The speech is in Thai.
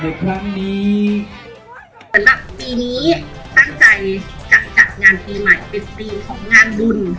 เป็นแบบปีนี้ตั้งใจจัดจัดงานปีใหม่เป็นปีของงานบุญ